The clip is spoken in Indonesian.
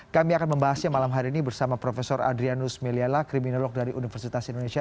kami akan membahasnya malam hari ini bersama prof adrianus meliala kriminolog dari universitas indonesia